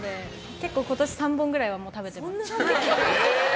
結構、今年３本ぐらいはもう食べてます。